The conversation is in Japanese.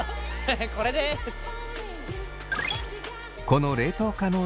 これです！